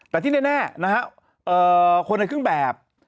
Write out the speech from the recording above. แต่ที่แน่นะครับคนภูมิขึ้นแบบ